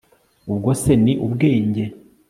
ubwo se ni ubwenge